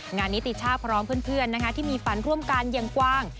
งานนิติช่าพร้อมเพื่อนที่มีฝันร่วมกันอย่างกว้าง